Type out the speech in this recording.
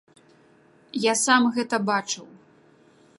Я сам гэта бачыў!